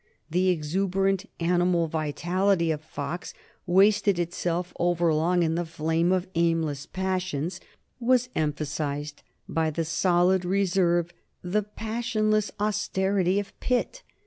The exuberant animal vitality of Fox, wasting itself overlong in the flame of aimless passions, was emphasized by the solid reserve, the passionless austerity of Pitt.